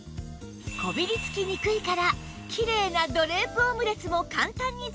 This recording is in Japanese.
こびりつきにくいからきれいなドレープオムレツも簡単に作れちゃいます